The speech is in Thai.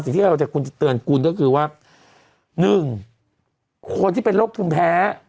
สิ่งที่เราจะคุณจะเตือนคุณก็คือว่าหนึ่งคนที่เป็นโรคภูมิแพ้